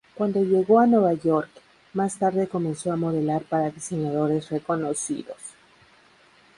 Cuando llegó a Nueva York, más tarde comenzó a modelar para diseñadores reconocidos.